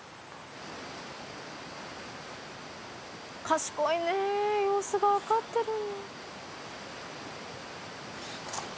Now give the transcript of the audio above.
賢いね様子が分かってる。